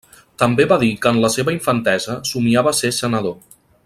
També va dir que en la seva infantesa somiava ser senador.